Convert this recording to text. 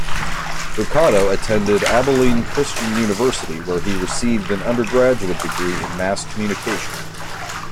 Lucado attended Abilene Christian University where he received an undergraduate degree in Mass Communication.